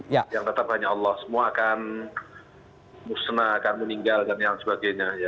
yang tetap hanya allah semua akan musnah akan meninggal dan yang sebagainya